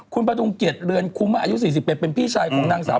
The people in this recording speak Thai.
คุณประดุงเกียรติเรือนคุ้มอายุ๔๑เป็นพี่ชายของนางสาว